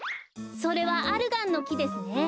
それはアルガンのきですね。